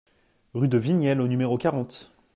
Rue de Vignelle au numéro quarante